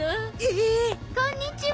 えっ！こんにちは。